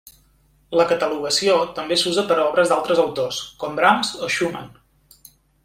La catalogació també s'usa per a obres d'altres autors, com Brahms o Schumann.